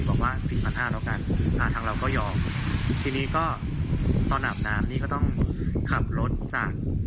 บอกว่าสี่พันห้าแล้วกันอ่าทางเราก็ยอมทีนี้ก็ตอนอาบน้ำนี่ก็ต้องขับรถจาก